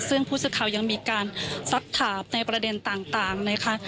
ซึ่งผู้สื่อข่าวยังมีการสักถามในประเด็นต่างนะคะ